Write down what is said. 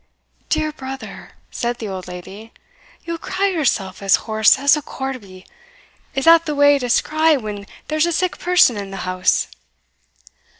"Dear brother," said the old lady, "ye'll cry yoursell as hoarse as a corbie is that the way to skreigh when there's a sick person in the house?"